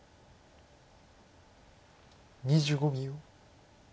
２５秒。